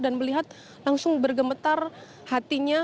dan melihat langsung bergemetar hatinya